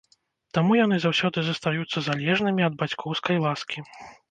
Таму яны заўсёды застаюцца залежнымі ад бацькоўскай ласкі.